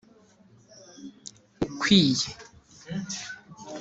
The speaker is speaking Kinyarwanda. ukwiye